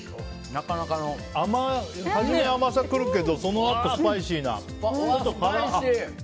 先に甘さ来るけどそのあとスパイシーな。